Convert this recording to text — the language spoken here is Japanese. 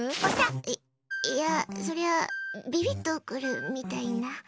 い、いやそりゃビビッとくるみたいな？